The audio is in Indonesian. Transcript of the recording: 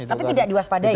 tapi tidak diwaspadai